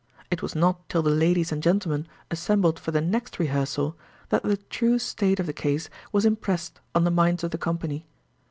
It was not till the ladies and gentlemen assembled for the next rehearsal that the true state of the case was impressed on the minds of the company.